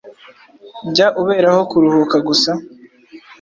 Jya uberaho kuruhuka gusa